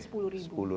sudah ada sepuluh ribu